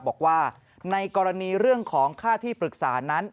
บอกว่าในกรณีเรื่องของค่าที่ปรึกษานั้น